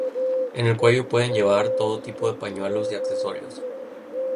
En el cuello pueden llevar todo tipo de pañuelos y accesorios.